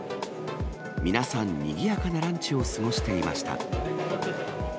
皆さん、にぎやかなランチを過ごしていました。